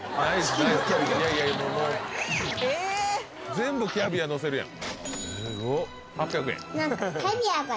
全部キャビアのせるやん